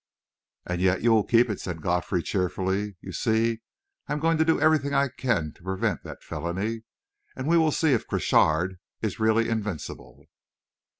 "And yet you will keep it," said Godfrey cheerfully. "You see, I am going to do everything I can to prevent that felony. And we will see if Crochard is really invincible!"